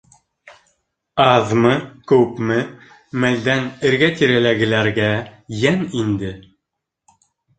Аҙмы-күпме мәлдән эргә-тирәләгеләргә йән инде.